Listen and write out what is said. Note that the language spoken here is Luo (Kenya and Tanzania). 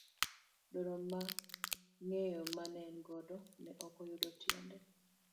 Dwaro mar ng'eyo mane en godo ne ok oyudo tiende.